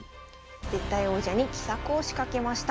絶対王者に奇策を仕掛けました。